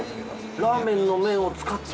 ラーメンの麺を使って？